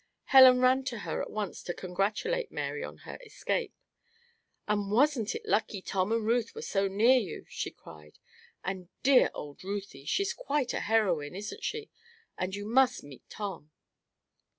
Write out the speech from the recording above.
Helen ran to her at once to congratulate Mary on her escape. "And wasn't it lucky Tom and Ruth were so near you?" she cried. "And dear old Ruthie! she's quite a heroine; isn't she? And you must meet Tom."